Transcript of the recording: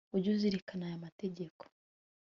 Ujye uzirikana aya mategeko